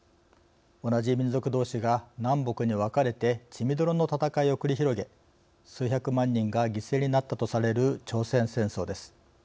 同じ民族どうしが南北に分かれて血みどろの戦いを繰り広げ数百万人が犠牲になったとされる朝鮮戦争です。